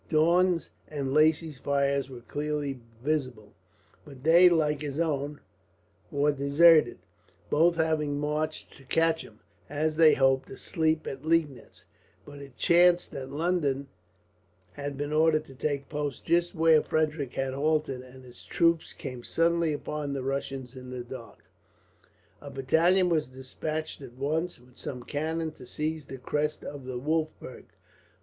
Daun's and Lacy's fires were clearly visible; but they, like his own, were deserted, both having marched to catch him, as they hoped, asleep at Liegnitz; but it chanced that Loudon had been ordered to take post just where Frederick had halted, and his troops came suddenly upon the Prussians in the dark. A battalion was despatched at once, with some cannon, to seize the crest of the Wolfberg.